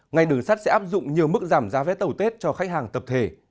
ngày đường sắt sẽ áp dụng nhiều mức giảm giá vé tẩu tết cho khách hàng tập thể